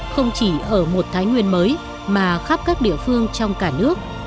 không chỉ ở một thái nguyên mới mà khắp các địa phương trong cả nước